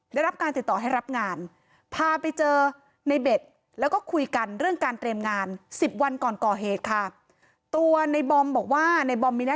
ได้รับการติดต่อให้รับงาน